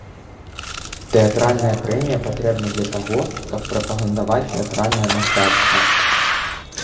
Тэатральная прэмія патрэбна для таго, каб прапагандаваць тэатральнае мастацтва.